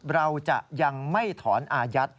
เราจะยังไม่ถอนอายัด